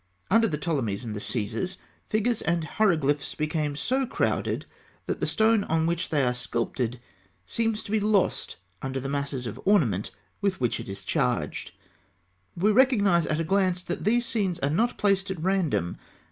Under the Ptolemies and the Caesars, figures and hieroglyphs became so crowded that the stone on which they are sculptured seems to be lost under the masses of ornament with which it is charged. We recognise at a glance that these scenes are not placed at random.